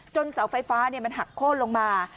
เสาไฟฟ้ามันหักโค้นลงมา